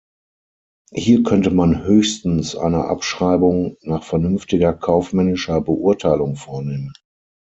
Hier könnte man höchstens eine Abschreibung nach vernünftiger kaufmännischer Beurteilung vornehmen.